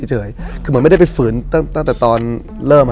เฉยคือเหมือนไม่ได้ไปฝืนตั้งแต่ตอนเริ่ม